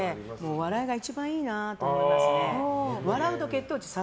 笑いが一番いいなと思いますね。